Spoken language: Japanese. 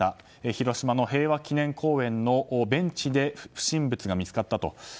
広島の平和記念公園のベンチで不審物が見つかったと。